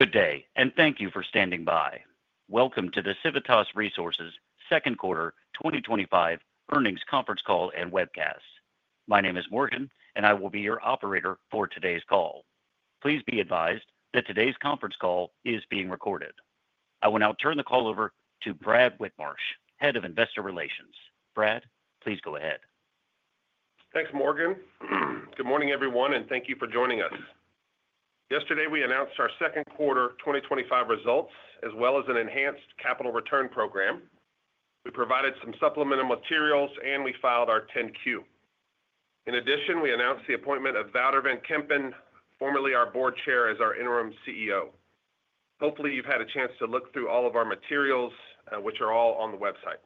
Today, and thank you for standing by. Welcome to the Civitas Resources Second Quarter 2025 Earnings Conference Call and Webcast. My name is Morgan, and I will be your operator for today's call. Please be advised that today's conference call is being recorded. I will now turn the call over to Brad Whitmarsh, Head of Investor Relations. Brad, please go ahead. Thanks, Morgan. Good morning, everyone, and thank you for joining us. Yesterday, we announced our second quarter 2025 results, as well as an enhanced capital return program. We provided some supplemental materials, and we filed our 10-Q. In addition, we announced the appointment of Wouter van Kempen, formerly our Board Chair, as our interim CEO. Hopefully, you've had a chance to look through all of our materials, which are all on the website.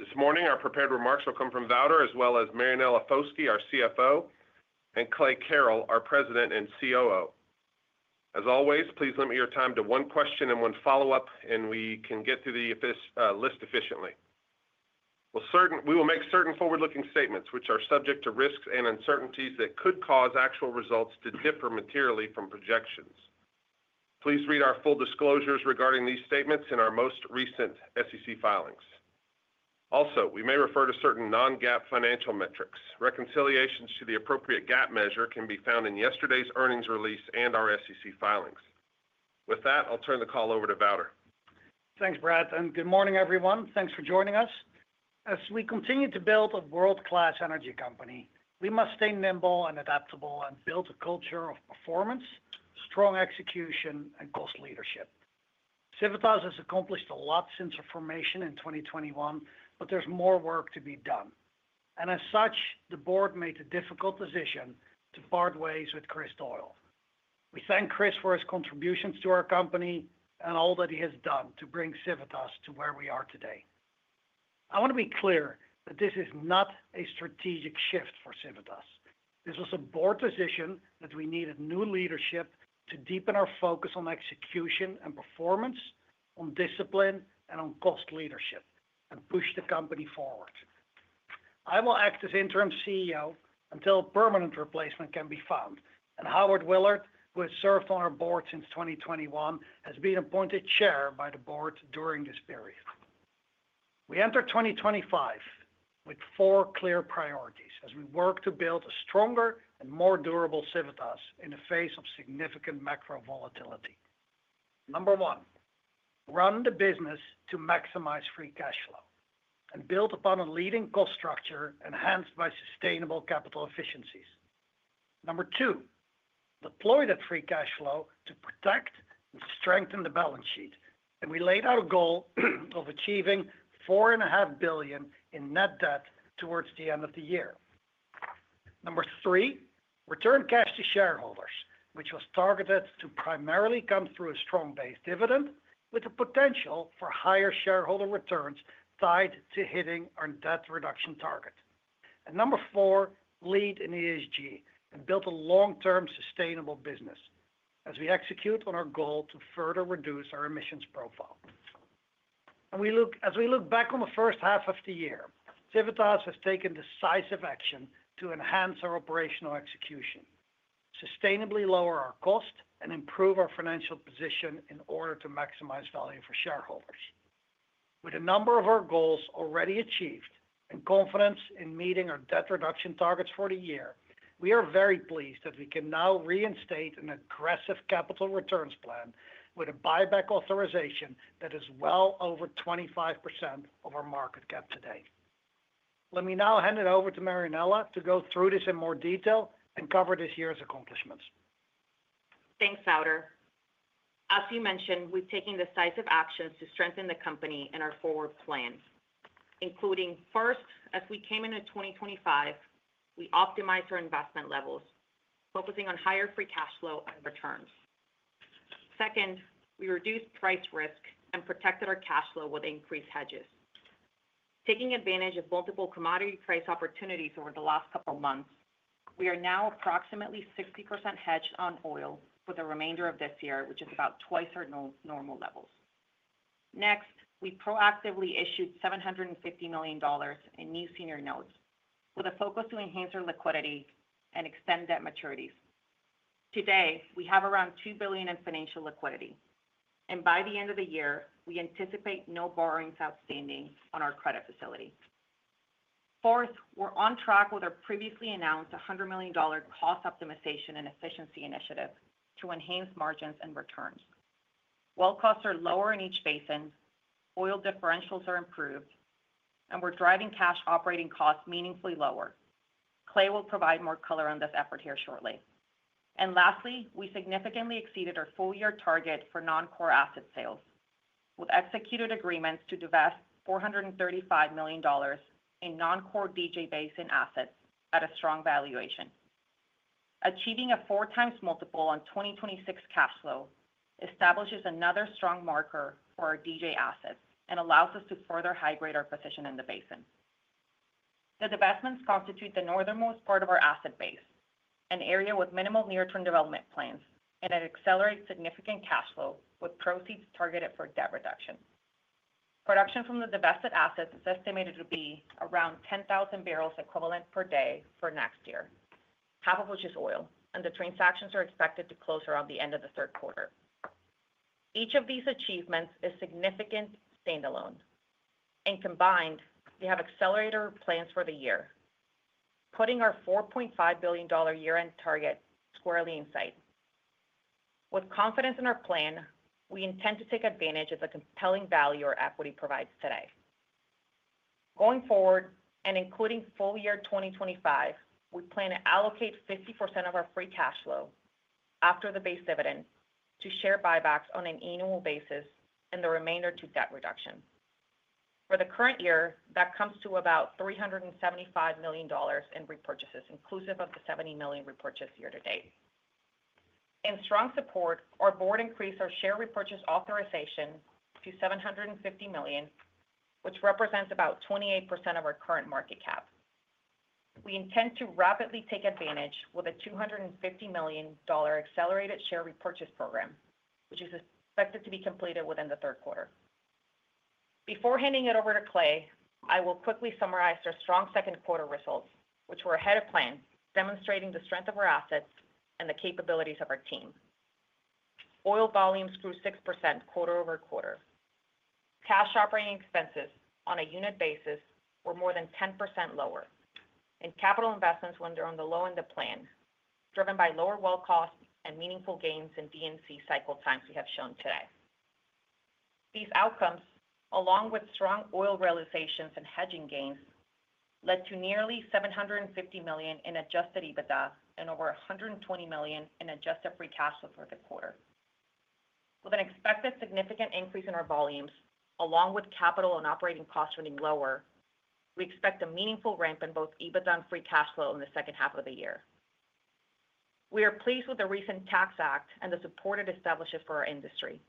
This morning, our prepared remarks will come from Wouter, as well as Marianella Foschi, our CFO, and Clay Carrell, our President and COO. As always, please limit your time to one question and one follow-up, and we can get through this list efficiently. We will make certain forward-looking statements, which are subject to risks and uncertainties that could cause actual results to differ materially from projections. Please read our full disclosures regarding these statements in our most recent SEC filings. Also, we may refer to certain non-GAAP financial metrics. Reconciliations to the appropriate GAAP measure can be found in yesterday's earnings release and our SEC filings. With that, I'll turn the call over to Wouter. Thanks, Brad, and good morning, everyone. Thanks for joining us. As we continue to build a world-class energy company, we must stay nimble and adaptable and build a culture of performance, strong execution, and growth leadership. Civitas has accomplished a lot since our formation in 2021, but there's more work to be done. As such, the Board made the difficult decision to part ways with Chris Doyle. We thank Chris for his contributions to our company and all that he has done to bring Civitas to where we are today. I want to be clear that this is not a strategic shift for Civitas. This was a Board decision that we needed new leadership to deepen our focus on execution and performance, on discipline, and on growth leadership, and push the company forward. I will act as Interim CEO until a permanent replacement can be found. Howard Willard, who has served on our Board since 2021, has been appointed Chair by the Board during this period. We enter 2025 with four clear priorities as we work to build a stronger and more durable Civitas Resources in the face of significant macro volatility. Number one, run the business to maximize free cash flow and build upon a leading cost structure enhanced by sustainable capital efficiencies. Number two, deploy that free cash flow to protect and strengthen the balance sheet. We laid out a goal of achieving $4.5 billion in net debt towards the end of the year. Number three, return cash to shareholders, which was targeted to primarily come through a strong base dividend, with the potential for higher shareholder returns tied to hitting our debt reduction target. Number four, lead in ESG and build a long-term sustainable business as we execute on our goal to further reduce our emissions profile. As we look back on the first half of the year, Civitas has taken decisive action to enhance our operational execution, sustainably lower our cost, and improve our financial position in order to maximize value for shareholders. With a number of our goals already achieved and confidence in meeting our debt reduction targets for the year, we are very pleased that we can now reinstate an aggressive capital returns plan with a buyback authorization that is well over 25% of our market cap today. Let me now hand it over to Marianella to go through this in more detail and cover this year's accomplishments. Thanks, Wouter. As you mentioned, we've taken decisive actions to strengthen the company and our forward plans, including, first, as we came into 2025, we optimized our investment levels, focusing on higher free cash flow and returns. Second, we reduced price risk and protected our cash flow with increased hedges. Taking advantage of multiple commodity price opportunities over the last couple of months, we are now approximately 60% hedged on oil for the remainder of this year, which is about twice our normal levels. Next, we proactively issued $750 million in new senior notes with a focus to enhance our liquidity and extend debt maturities. Today, we have around $2 billion in financial liquidity, and by the end of the year, we anticipate no borrowings outstanding on our credit facility. Fourth, we're on track with our previously announced $100 million cost optimization and efficiency initiative to enhance margins and returns. Oil costs are lower in each basin, oil differentials are improved, and we're driving cash operating costs meaningfully lower. Clay will provide more color on this effort here shortly. Lastly, we significantly exceeded our full-year target for non-core asset sales, with executed agreements to divest $435 million in non-core DJ Basin assets at a strong valuation. Achieving a four-times multiple on 2026 cash flow establishes another strong marker for our DJ assets and allows us to further high-grade our position in the basin. The divestments constitute the northernmost part of our asset base, an area with minimal near-term development plans, and it accelerates significant cash flow with proceeds targeted for debt reduction. Production from the divested assets is estimated to be around 10,000 bbl equivalent per day for next year, half of which is oil, and the transactions are expected to close around the end of the third quarter. Each of these achievements is significant standalone. Combined, we have accelerated our plans for the year, putting our $4.5 billion year-end target squarely in sight. With confidence in our plan, we intend to take advantage of the compelling value our equity provides today. Going forward and including full-year 2025, we plan to allocate 50% of our free cash flow after the base dividend to share buybacks on an annual basis and the remainder to debt reduction. For the current year, that comes to about $375 million in repurchases, inclusive of the $70 million repurchase year to date. In strong support, our Board increased our share repurchase authorization to $750 million, which represents about 28% of our current market cap. We intend to rapidly take advantage with a $250 million accelerated buyback, which is expected to be completed within the third quarter. Before handing it over to Clay, I will quickly summarize our strong second quarter results, which were ahead of plan, demonstrating the strength of our assets and the capabilities of our team. Oil volume grew 6% quarter-over-quarter. Cash operating expenses on a unit basis were more than 10% lower, and capital investments went on the low end of the plan, driven by lower oil costs and meaningful gains in D&C cycle times we have shown today. These outcomes, along with strong oil realizations and hedging gains, led to nearly $750 million in adjusted EBITDA and over $120 million in adjusted free cash flow for the quarter. With an expected significant increase in our volumes, along with capital and operating costs running lower, we expect a meaningful ramp in both EBITDA and free cash flow in the second half of the year. We are pleased with the recent tax act and the support it establishes for our industry.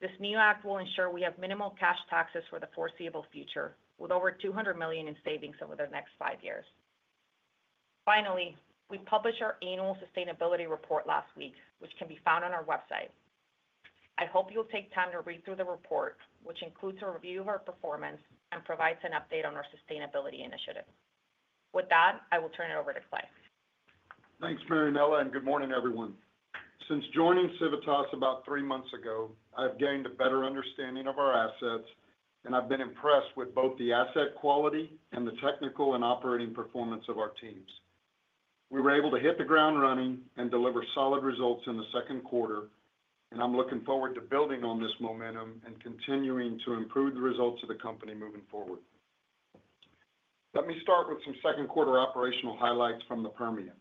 This new act will ensure we have minimal cash taxes for the foreseeable future, with over $200 million in savings over the next five years. Finally, we published our annual sustainability report last week, which can be found on our website. I hope you'll take time to read through the report, which includes a review of our performance and provides an update on our sustainability initiative. With that, I will turn it over to Clay. Thanks, Marianella, and good morning, everyone. Since joining Civitas about three months ago, I've gained a better understanding of our assets, and I've been impressed with both the asset quality and the technical and operating performance of our teams. We were able to hit the ground running and deliver solid results in the second quarter, and I'm looking forward to building on this momentum and continuing to improve the results of the company moving forward. Let me start with some second quarter operational highlights from the Permian.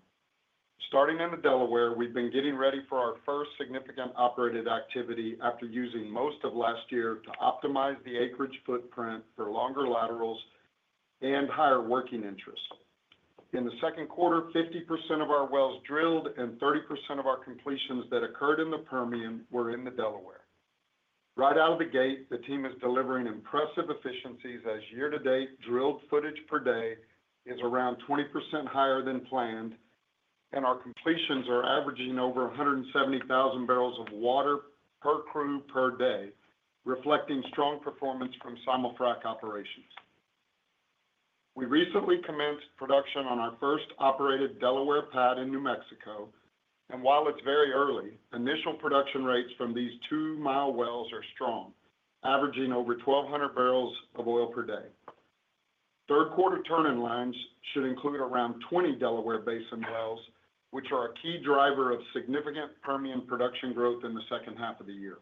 Starting in the Delaware, we've been getting ready for our first significant operated activity after using most of last year to optimize the acreage footprint for longer laterals and higher working interest. In the second quarter, 50% of our wells drilled and 30% of our completions that occurred in the Permian were in the Delaware. Right out of the gate, the team is delivering impressive efficiencies as year-to-date drilled footage per day is around 20% higher than planned, and our completions are averaging over 170,000 bbl of water per crew per day, reflecting strong performance from simultrack operations. We recently commenced production on our first operated Delaware pad in New Mexico, and while it's very early, initial production rates from these 2 mi wells are strong, averaging over 1,200 bbl of oil per day. Third quarter turn-in lines should include around 20 Delaware Basin wells, which are a key driver of significant Permian production growth in the second half of the year.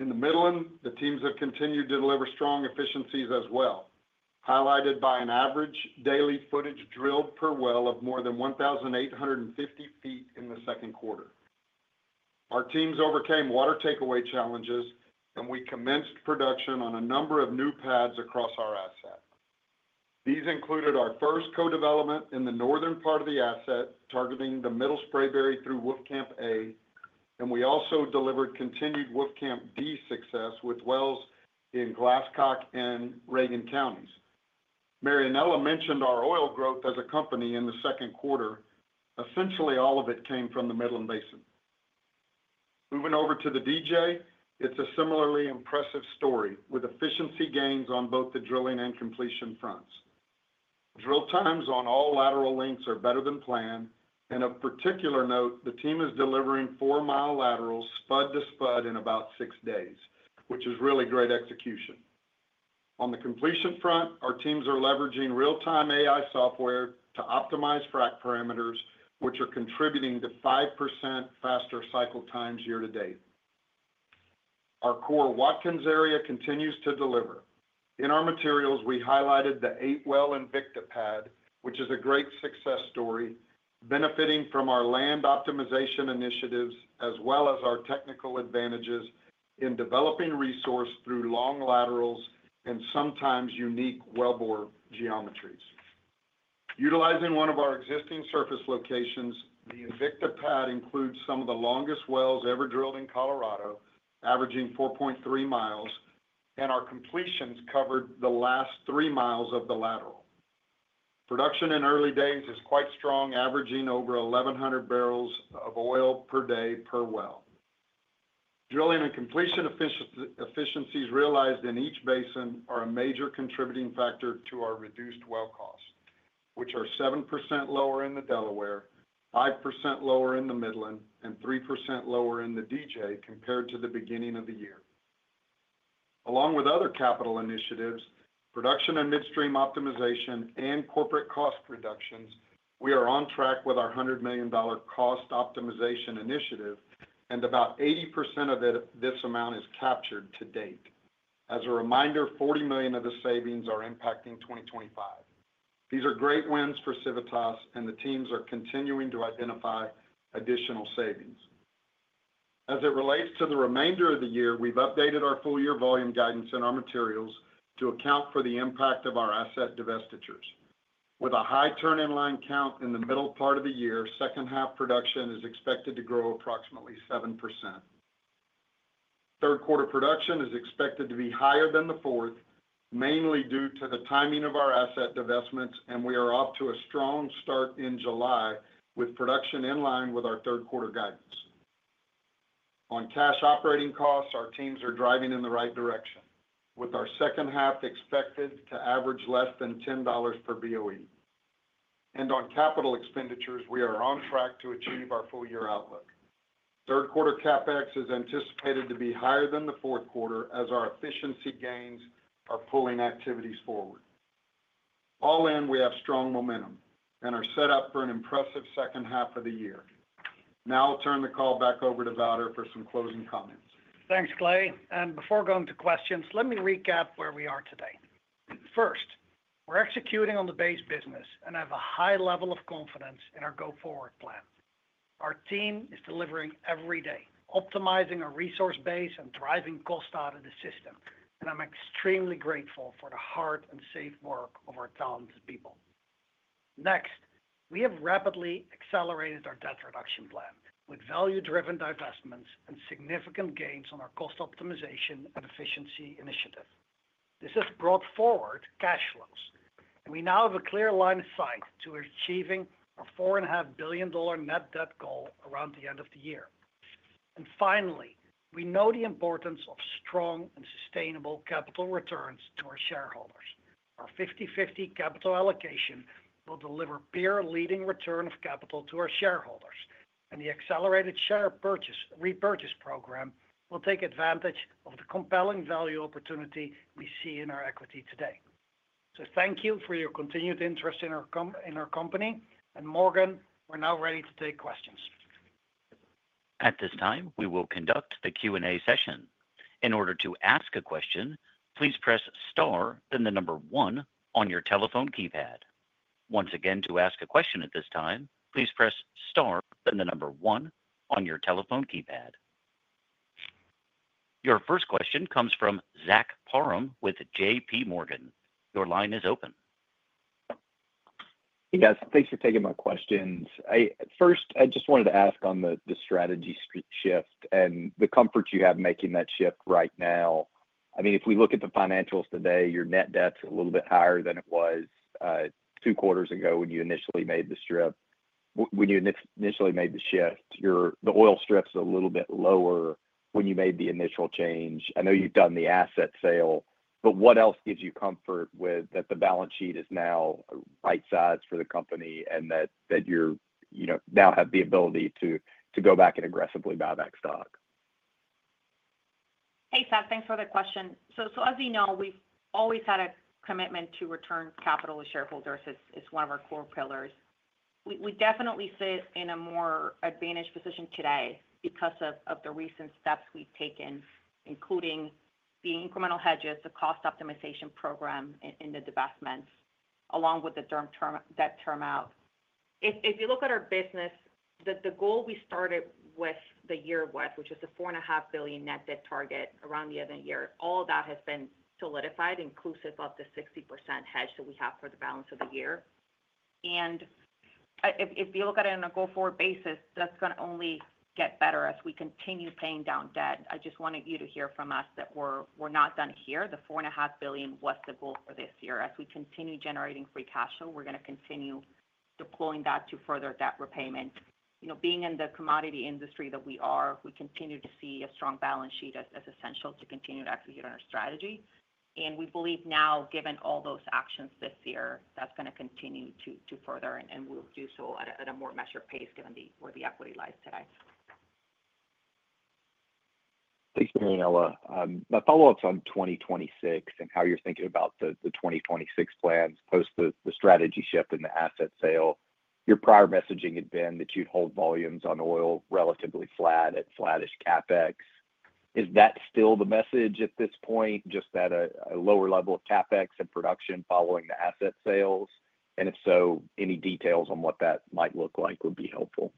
In the Midland, the teams have continued to deliver strong efficiencies as well, highlighted by an average daily footage drilled per well of more than 1,850 ft in the second quarter. Our teams overcame water takeaway challenges, and we commenced production on a number of new pads across our asset. These included our first co-development in the northern part of the asset, targeting the Middle Sprayberry through Wolfcamp A, and we also delivered continued Wolfcamp D success with wells in Glascock and Reagan counties. Marianella mentioned our oil growth as a company in the second quarter. Essentially, all of it came from the Midland Basin. Moving over to the DJ, it's a similarly impressive story with efficiency gains on both the drilling and completion fronts. Drill times on all lateral links are better than planned, and of particular note, the team is delivering four-mile laterals spud to spud in about six days, which is really great execution. On the completion front, our teams are leveraging real-time AI software to optimize frac parameters, which are contributing to 5% faster cycle times year to date. Our core Watkins area continues to deliver. In our materials, we highlighted the eight-well Invicta pad, which is a great success story, benefiting from our land optimization initiatives as well as our technical advantages in developing resource through long laterals and sometimes unique wellbore geometries. Utilizing one of our existing surface locations, the Invicta pad includes some of the longest wells ever drilled in Colorado, averaging 4.3 mi, and our completions covered the last 3 mi of the lateral. Production in early days is quite strong, averaging over 1,100 bbl of oil per day per well. Drilling and completion efficiencies realized in each basin are a major contributing factor to our reduced well costs, which are 7% lower in the Delaware, 5% lower in the Midland, and 3% lower in the DJ compared to the beginning of the year. Along with other capital initiatives, production and midstream optimization, and corporate cost reductions, we are on track with our $100 million cost optimization initiative, and about 80% of this amount is captured to date. As a reminder, $40 million of the savings are impacting 2025. These are great wins for Civitas, and the teams are continuing to identify additional savings. As it relates to the remainder of the year, we've updated our full-year volume guidance in our materials to account for the impact of our asset divestitures. With a high turn-in line count in the middle part of the year, second half production is expected to grow approximately 7%. Third quarter production is expected to be higher than the fourth, mainly due to the timing of our asset divestments, and we are off to a strong start in July with production in line with our third quarter guidance. On cash operating costs, our teams are driving in the right direction, with our second half expected to average less than $10 per BOE. On capital expenditures, we are on track to achieve our full-year outlook. Third quarter CapEx is anticipated to be higher than the fourth quarter as our efficiency gains are pulling activities forward. All in, we have strong momentum and are set up for an impressive second half of the year. Now I'll turn the call back over to Wouter for some closing comments. Thanks, Clay. Before going to questions, let me recap where we are today. First, we're executing on the base business and have a high level of confidence in our go-forward plans. Our team is delivering every day, optimizing our resource base, and driving cost out of the system. I'm extremely grateful for the hard and safe work of our talented people. Next, we have rapidly accelerated our debt reduction plan with value-driven divestments and significant gains on our cost optimization and efficiency initiative. This has brought forward cash flows. We now have a clear line of sight to achieving the $4.5 billion net debt goal around the end of the year. Finally, we know the importance of strong and sustainable capital returns to our shareholders. Our 50/50 capital allocation will deliver pure leading return of capital to our shareholders, and the accelerated share repurchase program will take advantage of the compelling value opportunity we see in our equity today. Thank you for your continued interest in our company. Morgan, we're now ready to take questions. At this time, we will conduct the Q&A session. In order to ask a question, please press star and the number one on your telephone keypad. Once again, to ask a question at this time, please press star and the number one on your telephone keypad. Your first question comes from Zach Parham with JPMorgan. Your line is open. Yes, thanks for taking my questions. First, I just wanted to ask on the strategy shift and the comfort you have making that shift right now. If we look at the financials today, your net debt's a little bit higher than it was two quarters ago when you initially made the shift. When you initially made the shift, the oil strips are a little bit lower when you made the initial change. I know you've done the asset sale, but what else gives you comfort that the balance sheet is now bite-sized for the company and that you now have the ability to go back and aggressively buy back stock? Hey, Zach, thanks for the question. As you know, we've always had a commitment to return capital to shareholders. It's one of our core pillars. We definitely sit in a more advantaged position today because of the recent steps we've taken, including the incremental hedges, the cost optimization program, and the divestments, along with the debt turnout. If you look at our business, the goal we started the year with, which was the $4.5 billion net debt target around the end of the year, all of that has been solidified, inclusive of the 60% hedge that we have for the balance of the year. If you look at it on a go-forward basis, that's going to only get better as we continue paying down debt. I just wanted you to hear from us that we're not done here. The $4.5 billion was the goal for this year. As we continue generating free cash flow, we're going to continue deploying that to further debt repayment. You know, being in the commodity industry that we are, we continue to see a strong balance sheet as essential to continue to execute on our strategy. We believe now, given all those actions this year, that's going to continue to further, and we'll do so at a more measured pace, given where the equity lies today. Thanks, Marianella. My follow-up is on 2026 and how you're thinking about the 2026 plans post the strategy shift and the asset sale. Your prior messaging had been that you'd hold volumes on oil relatively flat at flat-ish CapEx. Is that still the message at this point, just at a lower level of CapEx and production following the asset sales? If so, any details on what that might look like would be helpful.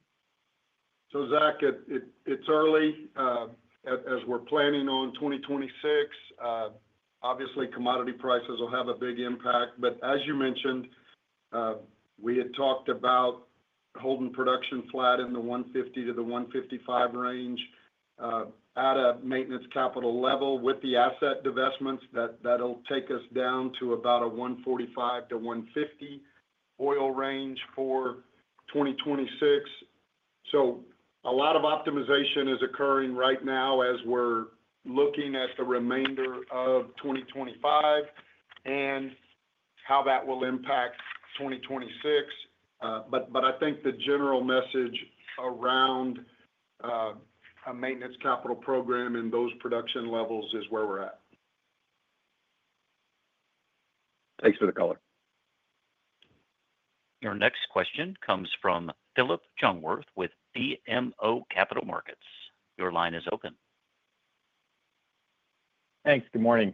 Zach, it's early. As we're planning on 2026, obviously, commodity prices will have a big impact. As you mentioned, we had talked about holding production flat in the $150 million-$155 million range at a maintenance capital level with the asset divestitures. That'll take us down to about a $145 million-$150 million oil range for 2026. A lot of optimization is occurring right now as we're looking at the remainder of 2025 and how that will impact 2026. I think the general message around a maintenance capital program in those production levels is where we're at. Thanks for the call. Your next question comes from Philip Jungwirth with BMO Capital Markets. Your line is open. Thanks. Good morning.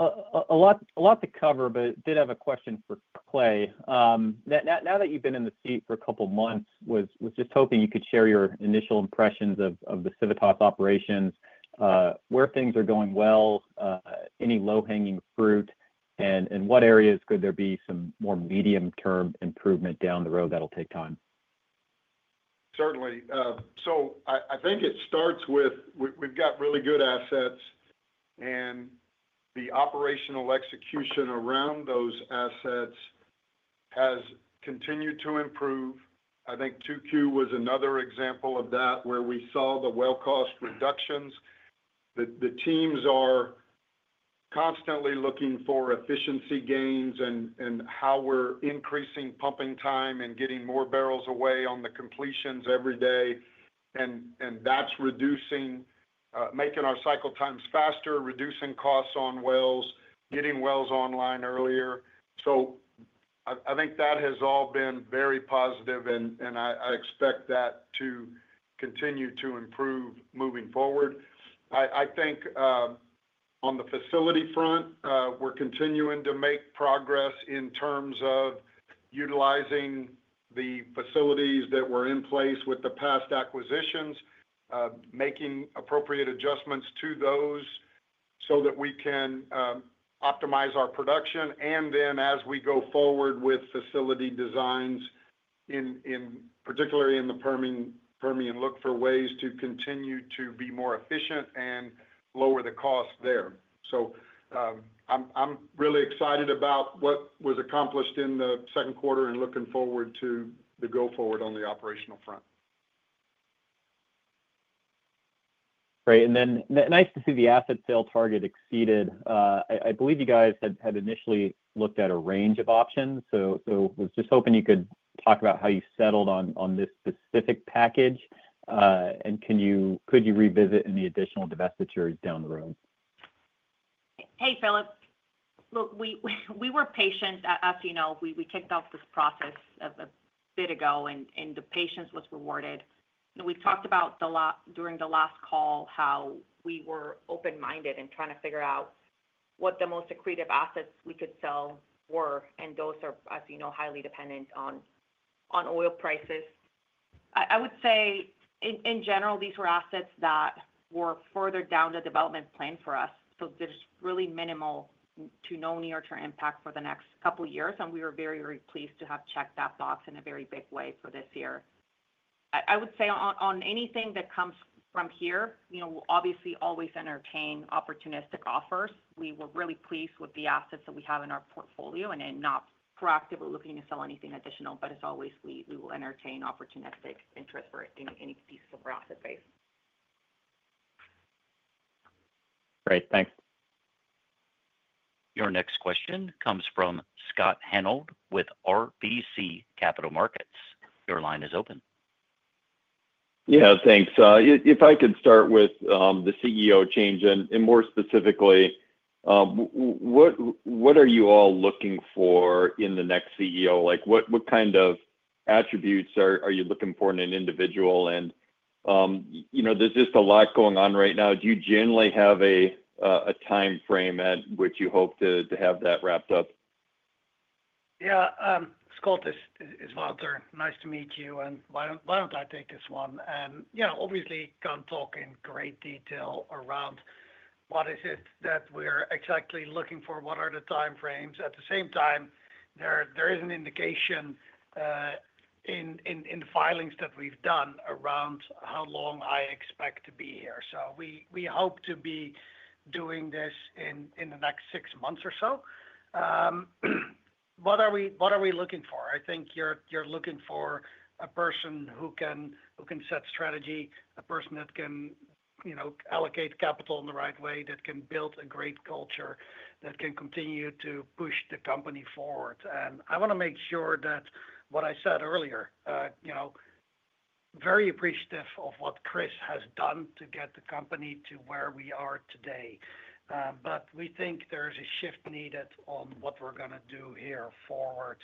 A lot to cover, but I did have a question for Clay. Now that you've been in the seat for a couple of months, I was just hoping you could share your initial impressions of the Civitas operations, where things are going well, any low-hanging fruit, and in what areas could there be some more medium-term improvement down the road that'll take time? Certainly. I think it starts with we've got really good assets, and the operational execution around those assets has continued to improve. I think 2Q was another example of that, where we saw the well cost reductions. The teams are constantly looking for efficiency gains and how we're increasing pumping time and getting more barrels away on the completions every day. That's reducing, making our cycle times faster, reducing costs on wells, getting wells online earlier. I think that has all been very positive, and I expect that to continue to improve moving forward. On the facility front, we're continuing to make progress in terms of utilizing the facilities that were in place with the past acquisitions, making appropriate adjustments to those so that we can optimize our production. As we go forward with facility designs, particularly in the Permian, we look for ways to continue to be more efficient and lower the cost there. I'm really excited about what was accomplished in the second quarter and looking forward to the go-forward on the operational front. Great. Nice to see the asset sale target exceeded. I believe you guys had initially looked at a range of options. I was just hoping you could talk about how you settled on this specific package. Could you revisit any additional divestitures down the road? Hey, Philip. Look, we were patient. As you know, we kicked off this process a bit ago, and the patience was rewarded. We talked about during the last call how we were open-minded and trying to figure out what the most secretive assets we could sell were, and those are, as you know, highly dependent on oil prices. I would say, in general, these were assets that were further down the development plan for us. There's really minimal to no near-term impact for the next couple of years, and we were very, very pleased to have checked that box in a very big way for this year. I would say on anything that comes from here, you know we'll obviously always entertain opportunistic offers. We were really pleased with the assets that we have in our portfolio and are not proactively looking to sell anything additional, but as always, we will entertain opportunistic interest for any pieces of our asset base. Great. Thanks. Your next question comes from Scott Hanold with RBC Capital Markets. Your line is open. Yeah, thanks. If I can start with the CEO change, more specifically, what are you all looking for in the next CEO? What kind of attributes are you looking for in an individual? There's just a lot going on right now. Do you generally have a time frame at which you hope to have that wrapped up? Yeah. Scott, this is Wouter. Nice to meet you. Why don't I take this one? You can talk in great detail around what is it that we're exactly looking for, what are the time frames. At the same time, there is an indication in the filings that we've done around how long I expect to be here. We hope to be doing this in the next six months or so. What are we looking for? I think you're looking for a person who can set strategy, a person that can allocate capital in the right way, that can build a great culture, that can continue to push the company forward. I want to make sure that what I said earlier, you know, very appreciative of what Chris has done to get the company to where we are today. We think there is a shift needed on what we're going to do here forward.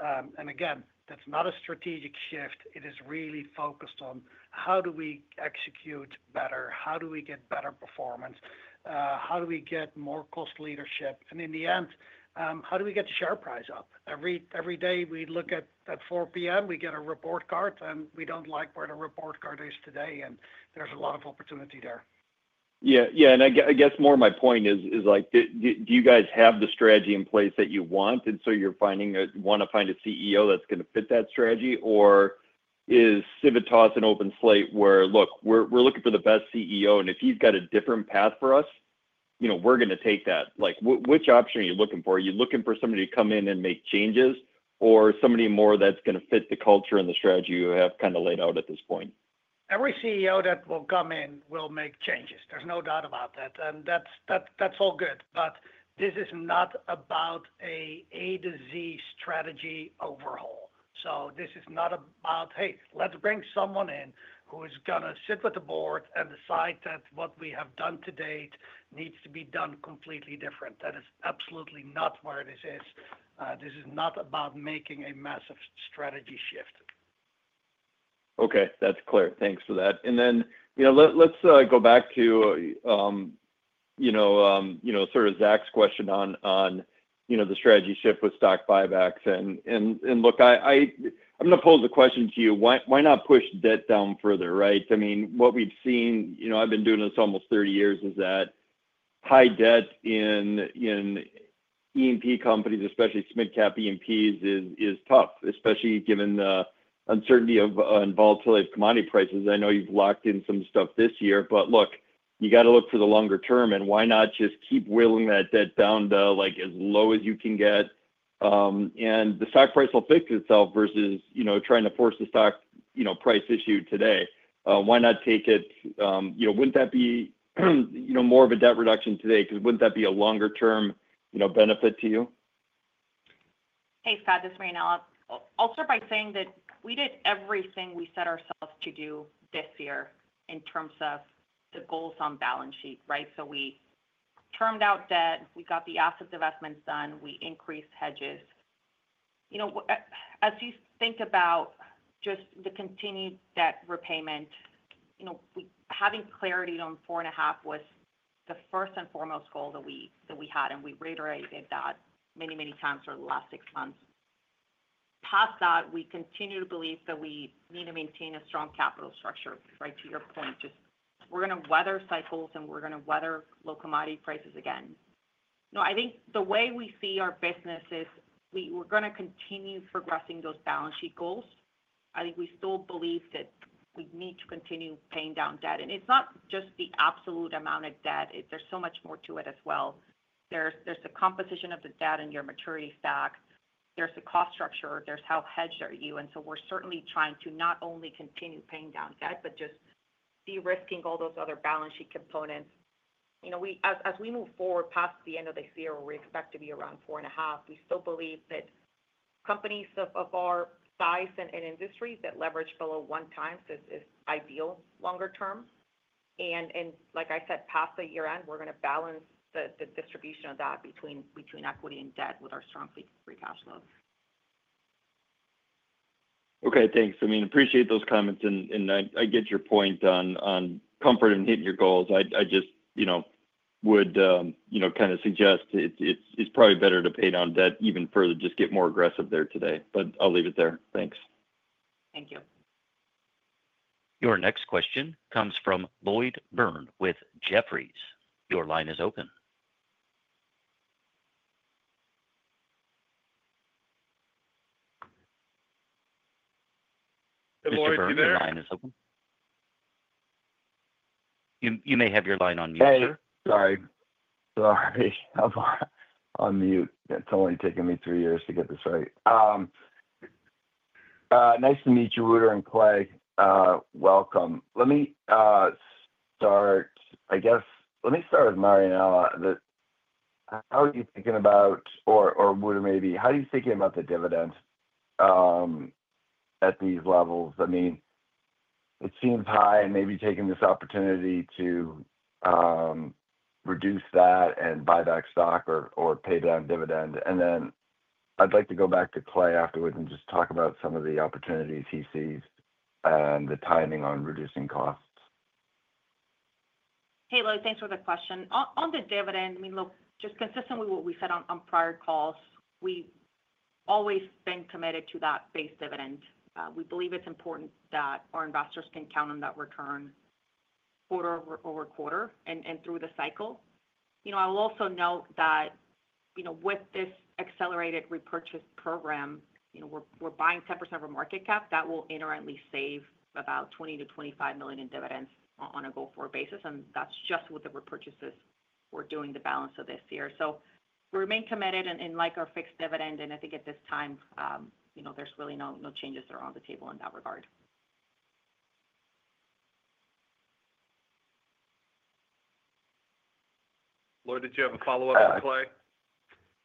That's not a strategic shift. It is really focused on how do we execute better, how do we get better performance, how do we get more cost leadership, and in the end, how do we get the share price up? Every day we look at at 4 P.M., we get a report card, and we don't like where the report card is today, and there's a lot of opportunity there. I guess more of my point is, do you guys have the strategy in place that you want? Do you want to find a CEO that's going to fit that strategy, or is Civitas an open slate where, look, we're looking for the best CEO, and if you've got a different path for us, you know we're going to take that? Which option are you looking for? Are you looking for somebody to come in and make changes or somebody more that's going to fit the culture and the strategy you have kind of laid out at this point? Every CEO that will come in will make changes. There's no doubt about that, and that's all good. This is not about an A to Z strategy overhaul. This is not about, hey, let's bring someone in who is going to sit with the Board and decide that what we have done to date needs to be done completely different. That is absolutely not where this is. This is not about making a massive strategy shift. Okay. That's clear. Thanks for that. Let's go back to sort of Zach's question on the strategy shift with stock buybacks. Look, I'm going to pose the question to you. Why not push debt down further, right? I mean, what we've seen, you know, I've been doing this almost 30 years, is that high debt in E&P companies, especially mid-cap E&Ps, is tough, especially given the uncertainty and volatility of commodity prices. I know you've locked in some stuff this year, but look, you got to look for the longer term. Why not just keep willing that debt down to like as low as you can get? The stock price will pick itself versus trying to force the stock price issue today. Why not take it? Wouldn't that be more of a debt reduction today? Wouldn't that be a longer-term benefit to you? Hey, Scott, this is Marianella. I'll start by saying that we did everything we set ourselves to do this year in terms of the goals on balance sheet, right? We trimmed out debt. We got the asset divestitures done. We increased hedges. As you think about just the continued debt repayment, having clarity on $4.5 billion was the first and foremost goal that we had, and we reiterated that many, many times over the last six months. Past that, we continue to believe that we need to maintain a strong capital structure, right? To your point, we're going to weather cycles, and we're going to weather low commodity prices again. I think the way we see our business is we're going to continue progressing those balance sheet goals. I think we still believe that we need to continue paying down debt. It's not just the absolute amount of debt. There's so much more to it as well. There's the composition of the debt in your maturity stack. There's the cost structure. There's how hedged are you. We're certainly trying to not only continue paying down debt, but just de-risking all those other balance sheet components. As we move forward past the end of this year, where we expect to be around $4.5 billion, we still believe that companies of our size and industry that leverage below one times is ideal longer term. Like I said, past the year-end, we're going to balance the distribution of that between equity and debt with our strong free cash flows. Okay. Thanks. I appreciate those comments, and I get your point on comfort in hitting your goals. I just would kind of suggest it's probably better to pay down debt even further, just get more aggressive there today. I'll leave it there. Thanks. Thank you. Your next question comes from Lloyd Byrne with Jefferies. Your line is open. Good morning. Your line is open. You may have your line on mute, sir. Sorry, I'm on mute. It's only taken me three years to get this right. Nice to meet you, Wouter and Clay. Welcome. Let me start with Marianella. How are you thinking about, or Wouter maybe, how are you thinking about the dividend at these levels? I mean, it seems high and maybe taking this opportunity to reduce that and buy back stock or pay down dividend. I'd like to go back to Clay afterwards and just talk about some of the opportunities he sees and the timing on reducing costs. Hey, Lloyd, thanks for the question. On the dividend, I mean, look, just consistent with what we said on prior calls, we've always been committed to that base dividend. We believe it's important that our investors can count on that return quarter-over-quarter and through the cycle. I will also note that with this accelerated repurchase program, we're buying 10% of our market cap. That will inherently save about $20 million-$25 million in dividends on a go-forward basis. That's just with the repurchases we're doing the balance of this year. We remain committed and like our fixed dividend. I think at this time, there's really no changes that are on the table in that regard. Lloyd, did you have a follow-up with Clay?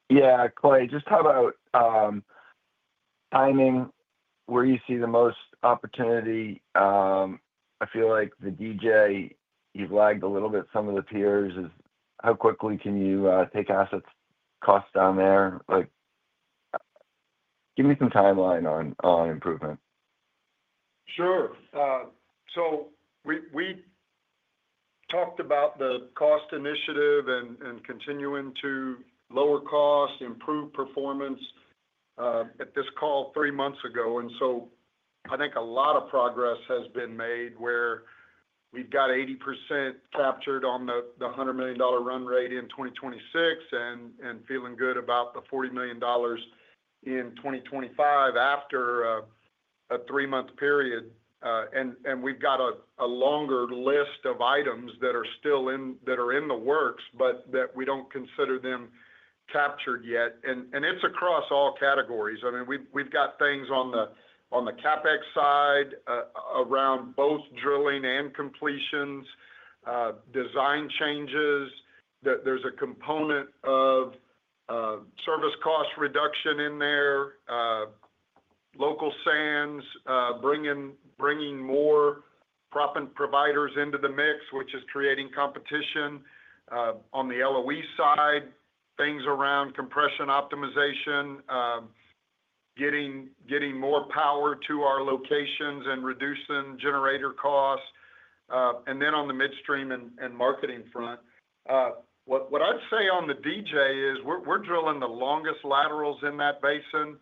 Yeah, Clay, just talk about timing where you see the most opportunity. I feel like the DJ, you've lagged a little bit some of the tiers. How quickly can you take asset costs down there? Like, give me some timeline on improvement. Sure. We talked about the cost initiative and continuing to lower costs, improve performance at this call three months ago. I think a lot of progress has been made where we've got 80% captured on the $100 million run rate in 2026 and feeling good about the $40 million in 2025 after a three-month period. We've got a longer list of items that are still in the works, but we don't consider them captured yet. It's across all categories. We've got things on the CapEx side around both drilling and completions, design changes. There's a component of service cost reduction in there, local sands, bringing more prop and providers into the mix, which is creating competition. On the LOE side, things around compression optimization, getting more power to our locations and reducing generator costs. On the midstream and marketing front, what I'd say on the DJ is we're drilling the longest laterals in that basin.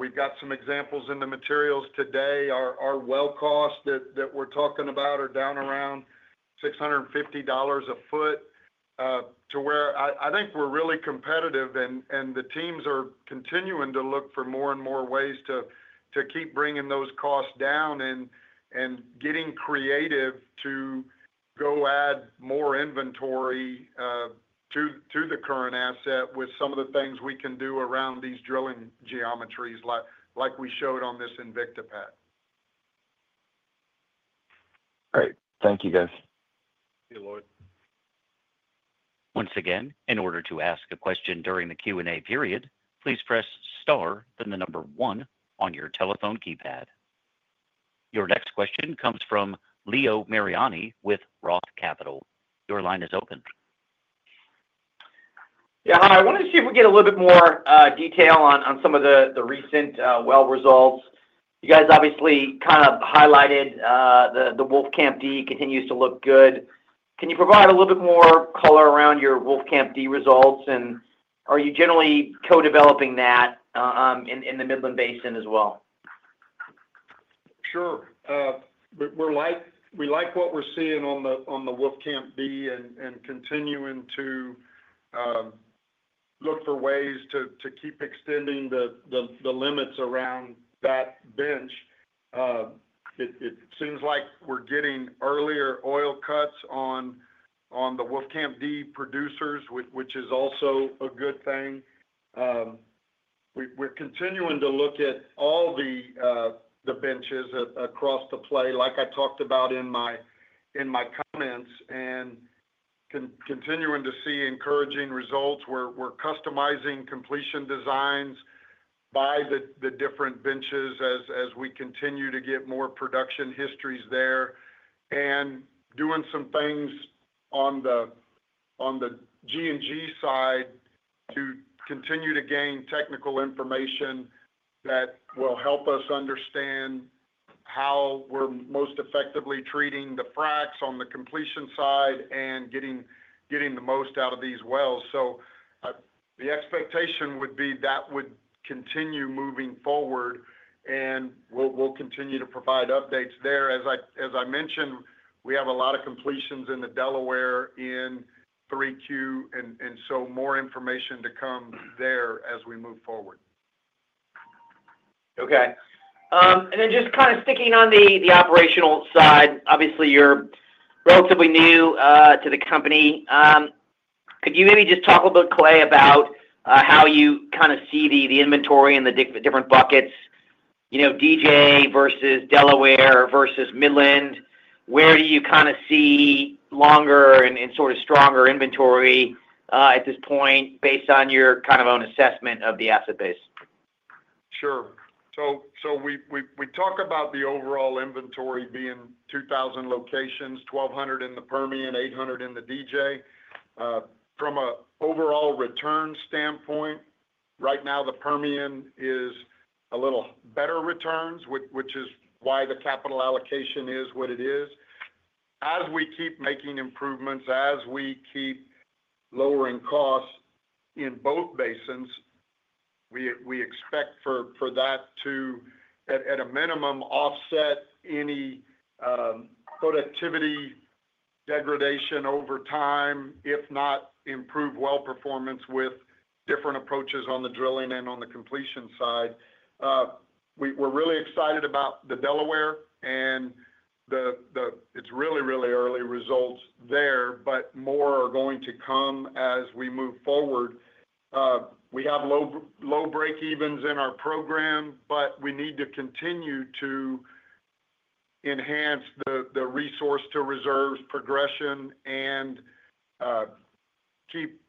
We've got some examples in the materials today. Our well costs that we're talking about are down around $650 a foot to where I think we're really competitive. The teams are continuing to look for more and more ways to keep bringing those costs down and getting creative to go add more inventory to the current asset with some of the things we can do around these drilling geometries like we showed on this Invicta pad. Great. Thank you, guys. Thank you, Lloyd. Once again, in order to ask a question during the Q&A period, please press star and the number one on your telephone keypad. Your next question comes from Leo Mariani with Roth Capital. Your line is open. Yeah, hi. I wanted to see if we could get a little bit more detail on some of the recent well results. You guys obviously kind of highlighted the Wolfcamp D continues to look good. Can you provide a little bit more color around your Wolfcamp D results? Are you generally co-developing that in the Midland Basin as well? Sure. We like what we're seeing on the Wolfcamp D and continuing to look for ways to keep extending the limits around that bench. It seems like we're getting earlier oil cuts on the Wolfcamp D producers, which is also a good thing. We're continuing to look at all the benches across the play, like I talked about in my comments, and continuing to see encouraging results. We're customizing completion designs by the different benches as we continue to get more production histories there and doing some things on the G&G side to continue to gain technical information that will help us understand how we're most effectively treating the fracs on the completion side and getting the most out of these wells. The expectation would be that would continue moving forward, and we'll continue to provide updates there. As I mentioned, we have a lot of completions in the Delaware in 3Q, and more information to come there as we move forward. Okay. Just kind of sticking on the operational side, obviously, you're relatively new to the company. Could you maybe just talk a little bit, Clay, about how you kind of see the inventory and the different buckets? You know, DJ versus Delaware versus Midland, where do you kind of see longer and sort of stronger inventory at this point based on your kind of own assessment of the asset base? Sure. We talk about the overall inventory being 2,000 locations, 1,200 in the Permian, 800 in the DJ. From an overall return standpoint, right now, the Permian is a little better returns, which is why the capital allocation is what it is. As we keep making improvements, as we keep lowering costs in both basins, we expect for that to, at a minimum, offset any productivity degradation over time, if not improve well performance with different approaches on the drilling and on the completion side. We're really excited about the Delaware, and it's really, really early results there, but more are going to come as we move forward. We have low breakevens in our program, but we need to continue to enhance the resource to reserves progression and keep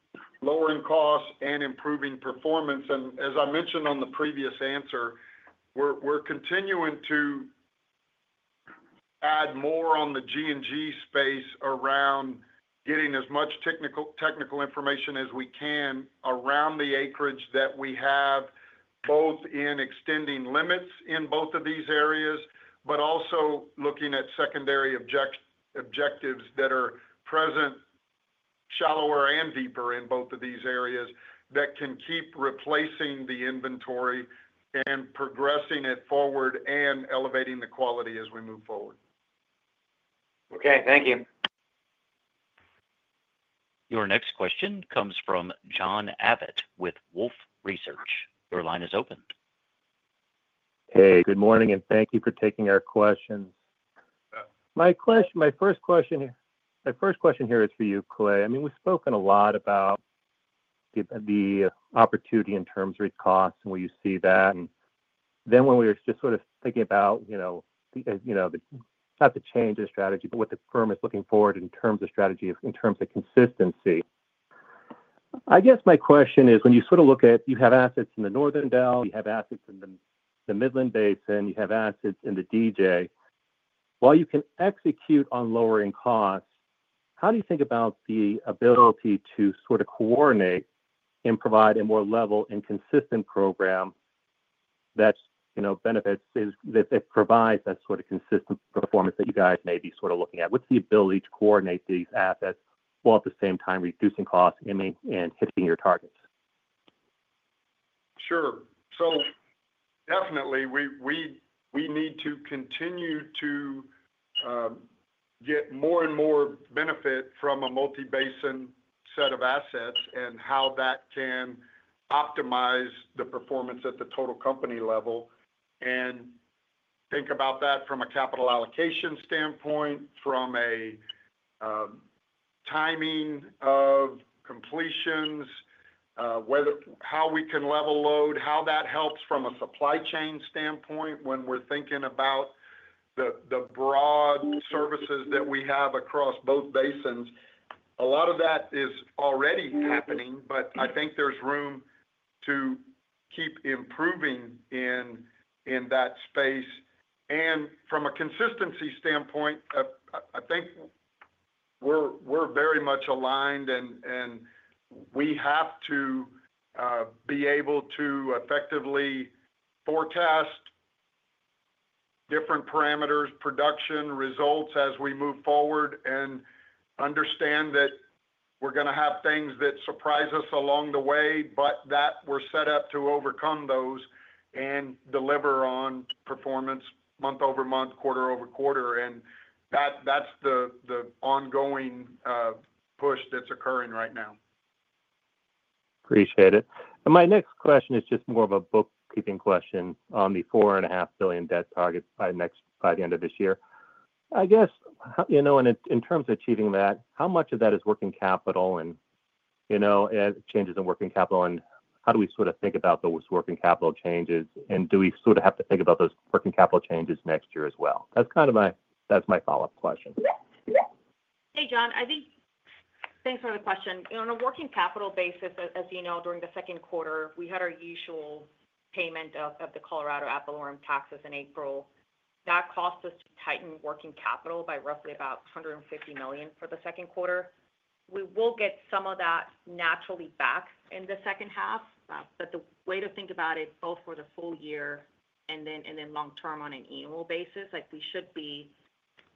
lowering costs and improving performance. As I mentioned on the previous answer, we're continuing to add more on the G&G space around getting as much technical information as we can around the acreage that we have, both in extending limits in both of these areas, but also looking at secondary objectives that are present shallower and deeper in both of these areas that can keep replacing the inventory and progressing it forward and elevating the quality as we move forward. Okay. Thank you. Your next question comes from John Abbott with Wolfe Research. Your line is open. Hey, good morning, and thank you for taking our questions. My first question here is for you, Clay. I mean, we've spoken a lot about the opportunity in terms of costs and where you see that. When we were just sort of thinking about, you know, not the change in strategy, but what the firm is looking forward in terms of strategy, in terms of consistency, I guess my question is, when you sort of look at, you have assets in the Northern Delaware, you have assets in the Midland Basin, you have assets in the DJ. While you can execute on lowering costs, how do you think about the ability to sort of coordinate and provide a more level and consistent program that provides that sort of consistent performance that you guys may be sort of looking at? What's the ability to coordinate these assets while at the same time reducing costs and hitting your targets? Sure. We need to continue to get more and more benefit from a multibasin set of assets and how that can optimize the performance at the total company level. Think about that from a capital allocation standpoint, from a timing of completions, how we can level load, how that helps from a supply chain standpoint when we're thinking about the broad services that we have across both basins. A lot of that is already happening, but I think there's room to keep improving in that space. From a consistency standpoint, I think we're very much aligned, and we have to be able to effectively forecast different parameters, production results as we move forward and understand that we're going to have things that surprise us along the way, but that we're set up to overcome those and deliver on performance month-over-month, quarter-over-quarter. That's the ongoing push that's occurring right now. Appreciate it. My next question is just more of a bookkeeping question on the $4.5 billion debt target by the end of this year. In terms of achieving that, how much of that is working capital and changes in working capital? How do we sort of think about those working capital changes? Do we sort of have to think about those working capital changes next year as well? That's kind of my follow-up question. Hey, John. Thanks for the question. On a working capital basis, as you know, during the second quarter, we had our usual payment of the Colorado Apple Orange taxes in April. That caused us to tighten working capital by roughly about $150 million for the second quarter. We will get some of that naturally back in the second half. The way to think about it, both for the full year and then long-term on an annual basis, is we should be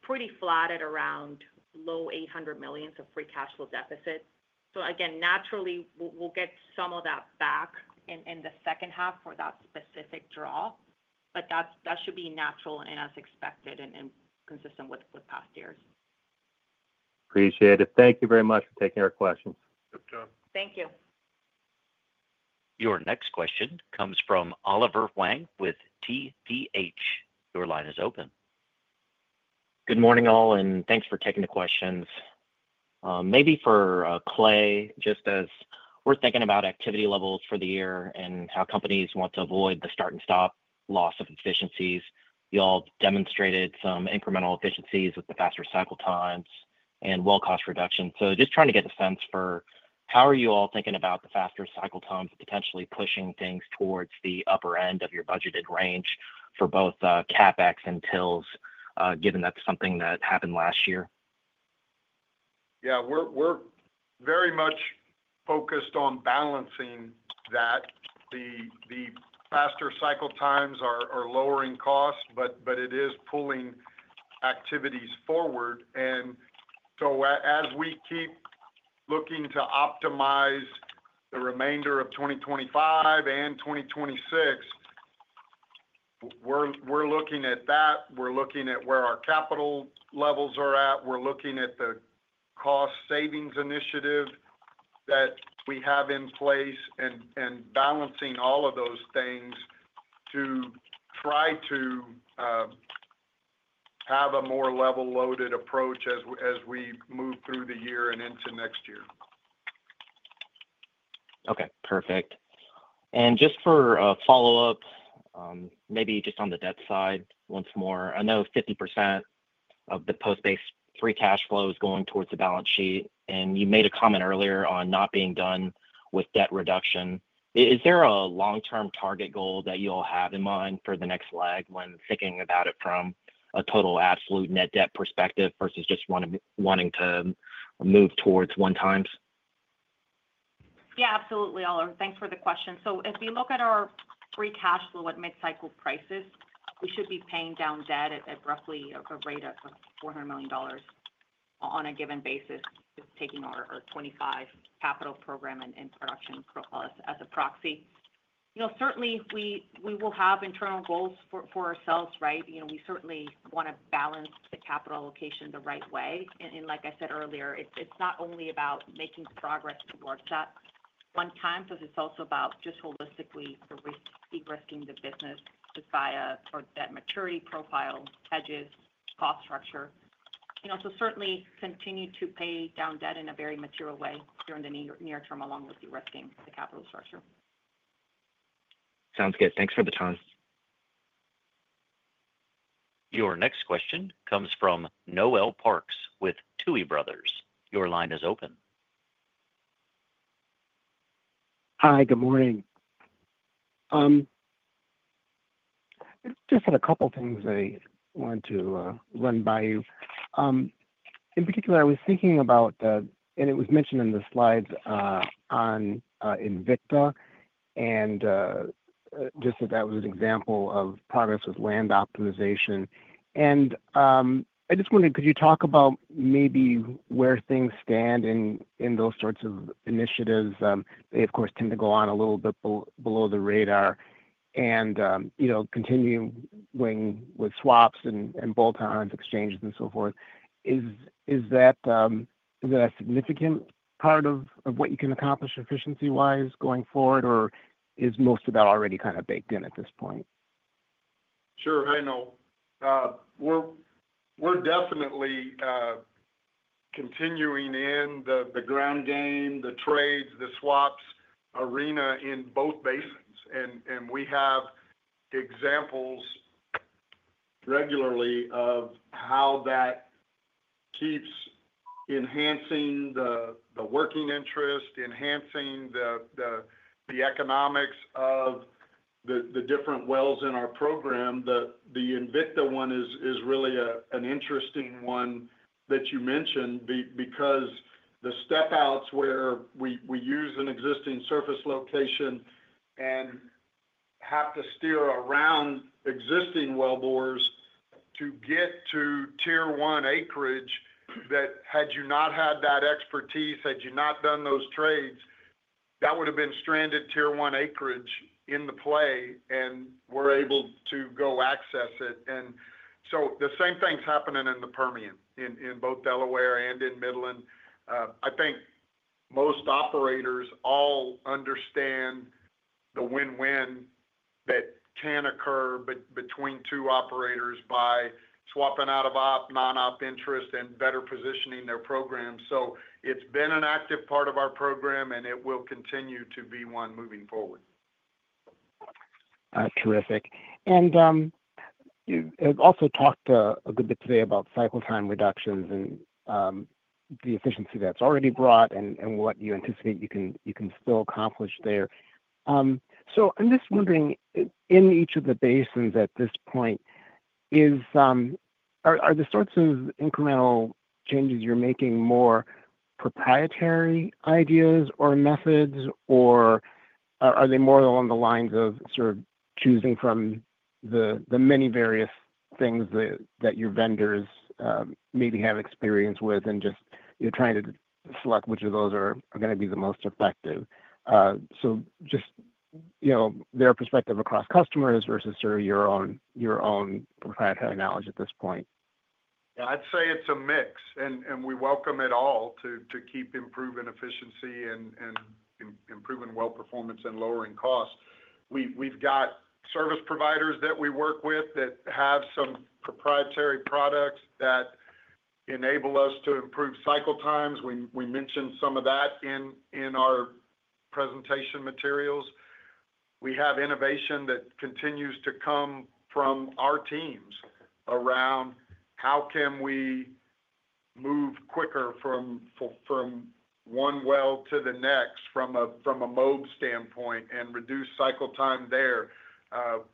pretty flat at around low $800 million of free cash flow deficit. Again, naturally, we'll get some of that back in the second half for that specific draw. That should be natural and as expected and consistent with past years. Appreciate it. Thank you very much for taking our questions. Thank you. Your next question comes from Oliver Huang with TPH. Your line is open. Good morning all, and thanks for taking the questions. Maybe for Clay, just as we're thinking about activity levels for the year and how companies want to avoid the start and stop loss of efficiencies. You all demonstrated some incremental efficiencies with the faster cycle times and well cost reduction. Just trying to get a sense for how are you all thinking about the faster cycle times potentially pushing things towards the upper end of your budgeted range for both CapEx and TILs, given that's something that happened last year? Yeah, we're very much focused on balancing that. The faster cycle times are lowering costs, but it is pulling activities forward. As we keep looking to optimize the remainder of 2025 and 2026, we're looking at that. We're looking at where our capital levels are at, we're looking at the cost savings initiative that we have in place, and balancing all of those things to try to have a more level-loaded approach as we move through the year and into next year. Okay. Perfect. Just for a follow-up, maybe just on the debt side once more. I know 50% of the post-base free cash flow is going towards the balance sheet. You made a comment earlier on not being done with debt reduction. Is there a long-term target goal that you all have in mind for the next leg when thinking about it from a total absolute net debt perspective versus just wanting to move towards 1x? Yeah, absolutely, Oliver. Thanks for the question. If we look at our free cash flow at mid-cycle prices, we should be paying down debt at roughly a rate of $400 million on a given basis, just taking our 2025 capital program and production protocols as a proxy. Certainly, we will have internal goals for ourselves, right? We certainly want to balance the capital allocation the right way. Like I said earlier, it's not only about making progress towards that one-time, because it's also about just holistically de-risking the business just by that maturity profile, hedges, cost structure. Certainly continue to pay down debt in a very material way during the near term, along with de-risking the capital structure. Sounds good. Thanks for the time. Your next question comes from Noel Parks with Tuohy Brothers. Your line is open. Hi, good morning. I just had a couple of things I wanted to run by you. In particular, I was thinking about, and it was mentioned in the slides, on Invicta and just that that was an example of progress with land optimization. I just wondered, could you talk about maybe where things stand in those sorts of initiatives? They, of course, tend to go on a little bit below the radar. You know, continuing with swaps and bolt-ons, exchanges, and so forth, is that a significant part of what you can accomplish efficiency-wise going forward, or is most of that already kind of baked in at this point? Sure. We're definitely continuing in the ground game, the trades, the swaps arena in both basins. We have examples regularly of how that keeps enhancing the working interest, enhancing the economics of the different wells in our program. The Invicta one is really an interesting one that you mentioned because the step-outs where we use an existing surface location and have to steer around existing wellbores to get to tier-one acreage that, had you not had that expertise, had you not done those trades, that would have been stranded tier-one acreage in the play and were able to go access it. The same thing's happening in the Permian, in both Delaware and in Midland. I think most operators all understand the win-win that can occur between two operators by swapping out of op, non-op interest, and better positioning their programs. It's been an active part of our program, and it will continue to be one moving forward. Terrific. You also talked a good bit today about cycle time reductions and the efficiency that's already brought and what you anticipate you can still accomplish there. I'm just wondering, in each of the basins at this point, are the sorts of incremental changes you're making more proprietary ideas or methods, or are they more along the lines of choosing from the many various things that your vendors maybe have experience with and just trying to select which of those are going to be the most effective? Just, you know, their perspective across customers versus your own proprietary knowledge at this point. Yeah, I'd say it's a mix, and we welcome it all to keep improving efficiency and improving well performance and lowering costs. We've got service providers that we work with that have some proprietary products that enable us to improve cycle times. We mentioned some of that in our presentation materials. We have innovation that continues to come from our teams around how can we move quicker from one well to the next from a MOB standpoint and reduce cycle time there.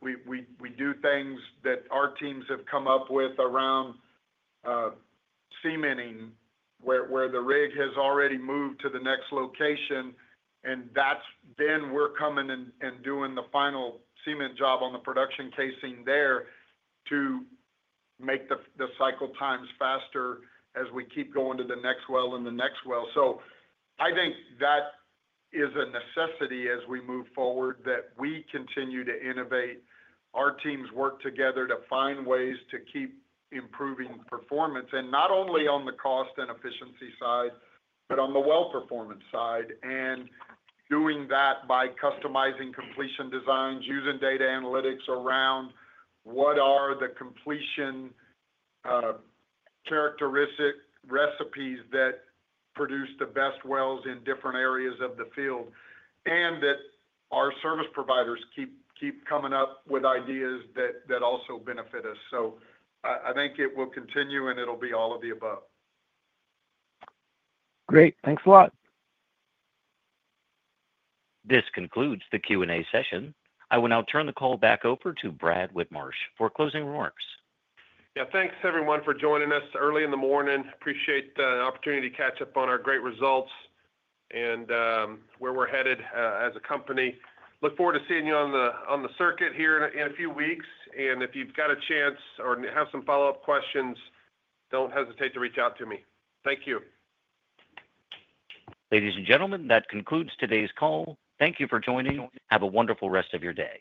We do things that our teams have come up with around cementing where the rig has already moved to the next location, and that's when we're coming and doing the final cement job on the production casing there to make the cycle times faster as we keep going to the next well and the next well. I think that is a necessity as we move forward that we continue to innovate. Our teams work together to find ways to keep improving performance, not only on the cost and efficiency side, but on the well performance side. Doing that by customizing completion designs, using data analytics around what are the completion characteristic recipes that produce the best wells in different areas of the field, and that our service providers keep coming up with ideas that also benefit us. I think it will continue, and it'll be all of the above. Great. Thanks a lot. This concludes the Q&A session. I will now turn the call back over to Brad Whitmarsh for closing remarks. Yeah, thanks everyone for joining us early in the morning. Appreciate the opportunity to catch up on our great results and where we're headed as a company. Look forward to seeing you on the circuit here in a few weeks. If you've got a chance or have some follow-up questions, don't hesitate to reach out to me. Thank you. Ladies and gentlemen, that concludes today's call. Thank you for joining. Have a wonderful rest of your day.